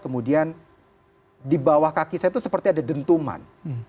kemudian di bawah kaki saya itu seperti ada dentuman